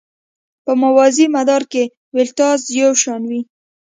په موازي مدار کې ولتاژ یو شان وي.